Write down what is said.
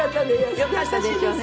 よかったですよね